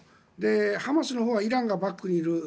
ハマスのほうはイランがバックにいる。